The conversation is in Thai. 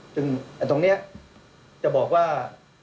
ซึ่งตรงนี้จะบอกว่า